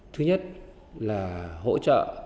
thứ nhất là hỗ trợ